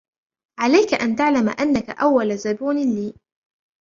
عليك أن تعلم أنك أول زبون لي.